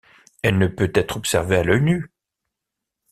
Elle ne peut être observée à l'œil nu.